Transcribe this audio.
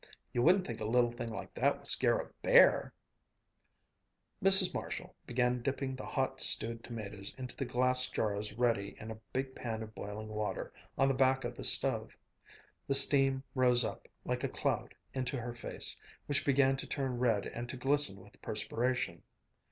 You wouldn't think a little thing like that would scare a bear!" Mrs. Marshall began dipping the hot, stewed tomatoes into the glass jars ready in a big pan of boiling water on the back of the stove. The steam rose up, like a cloud, into her face, which began to turn red and to glisten with perspiration.